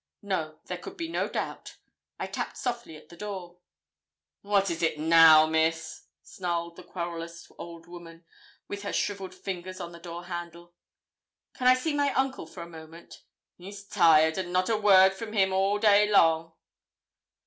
No; there could be no doubt. I tapped softly at the door. 'What is it now, Miss?' snarled the querulous old woman, with her shrivelled fingers on the door handle. 'Can I see my uncle for a moment?' 'He's tired, and not a word from him all day long.'